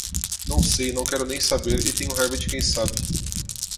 Não sei, não quero nem saber e tenho raiva de quem sabe